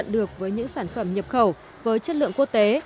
giúp cận được với những sản phẩm nhập khẩu với chất lượng quốc tế